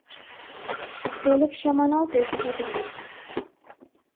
Тольык чаманалтеш тудым.